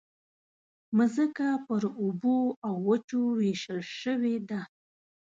مځکه پر اوبو او وچو وېشل شوې ده.